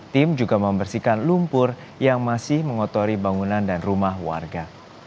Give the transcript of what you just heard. tim juga membersihkan lumpur yang masih mengotori bangunan dan rumah warga